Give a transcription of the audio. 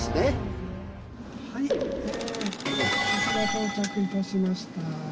到着いたしました。